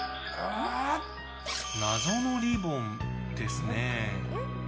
謎のリボンですね。